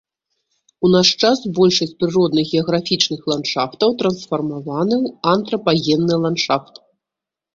У наш час большасць прыродных геаграфічных ландшафтаў трансфармаваны ў антрапагенны ландшафт.